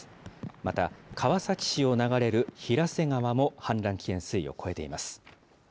また、川崎市を流れる平瀬川も氾濫危険水位を超えています。